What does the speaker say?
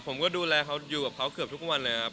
ผมก็ดูแลเขาอยู่กับเขาเกือบทุกวันเลยครับ